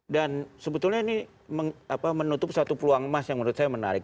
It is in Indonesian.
dan sebetulnya ini menutup satu peluang emas yang menurut saya menarik